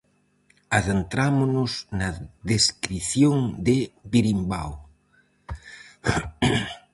Adentrámonos na descrición de "Birimbao".